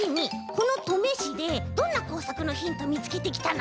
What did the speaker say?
この登米市でどんなこうさくのヒントみつけてきたの？